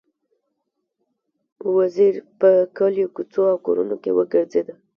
وزیر په کلیو، کوڅو او کورونو کې وګرځېد.